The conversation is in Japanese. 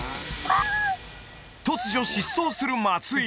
突如疾走する松井